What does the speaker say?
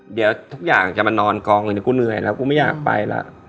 เดี๋ยวทุกอย่างจะมานอนกองเลยเดี๋ยวกูเหนื่อยแล้วกูไม่อยากไปล่ะ